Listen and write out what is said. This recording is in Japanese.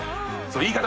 言い方